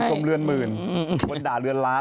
คนชมเลือนมืนคนด่าเลือนร้าน